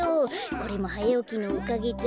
これもはやおきのおかげだ。